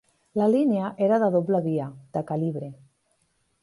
La línia era de doble via, de calibre.